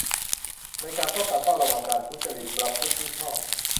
ในการป้องกัน เฝ้าระวัง การทุจริตประพฤติมิชอบ